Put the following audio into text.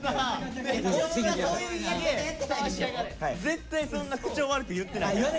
絶対そんな口調悪く言ってないから。